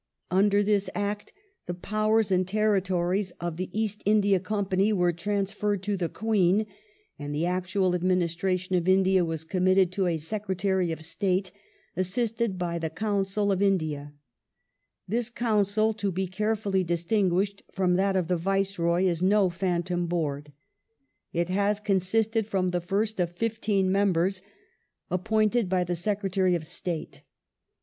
Under this Act the powers and territories of the East India Company were transferred to the Queen, and the actual administration of India was committed to a Secretary of State, assisted by the Council of India This Council (to be carefully distinguished from that of the Viceroy) is no phantom board. It has consisted from the first of fifteen membei s, appointed by the Secretary of State.